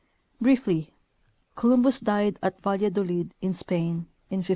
Briefly, Columbus died at Valladolid, in Spain, in 1506.